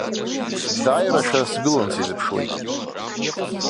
Дааирашәа сгылан сизыԥшуеит.